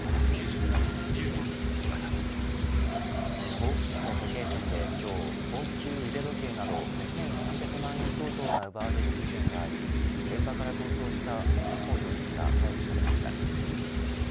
甲府市の時計店で今日高級腕時計など２３００万円相当が奪われる事件があり現場から逃走した男４人が逮捕されました。